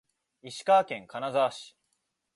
石川県金沢市